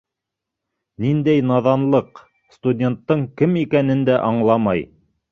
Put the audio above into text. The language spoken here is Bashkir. Ниндәй наҙанлыҡ, студенттың кем икәнен дә аңламай.